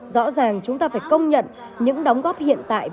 rõ ràng chúng ta phải công nhận những đóng góp hiện tại